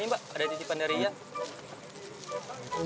ini mbak ada titipan dari ian